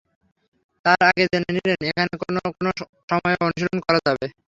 তার আগে জেনে নিলেন, এখানে কোন কোন সময়ে অনুশীলন করা যাবে।